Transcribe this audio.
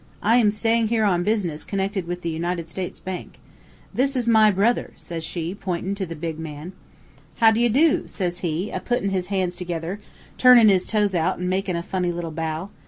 I am staying here on business connected with the United States Bank. This is my brother,' says she, pointin' to the big man. "'How d'ye do?' says he, a puttin' his hands together, turnin' his toes out an' makin' a funny little bow.